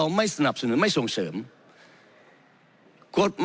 ตามน้ำหนุนกำหนดคือมากกว่า๕หมื่นชื่อ